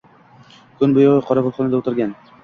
kun bo‘yi qorovulxonada o‘tirgan.